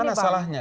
di mana salahnya